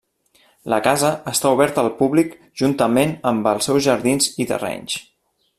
La casa està oberta al públic juntament amb els seus jardins i terrenys.